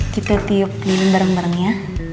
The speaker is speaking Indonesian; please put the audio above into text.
kita tiup lilin bareng bareng ya